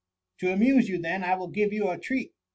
^" To amuse you then, I will give you a treat.